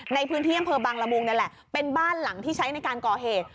ในพื้นที่อำเภอบางละมุงนี่แหละเป็นบ้านหลังที่ใช้ในการก่อเหตุ